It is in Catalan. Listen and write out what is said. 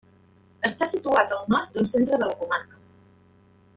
Està situat al nord del centre de la comarca.